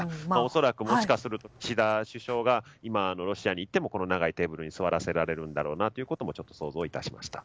恐らく、もしかすると岸田首相が今、ロシアに行っても長いテーブルに座らせられるんだろうなとちょっと想像致しました。